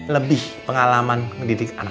lebih pengalaman ngedidik anak anak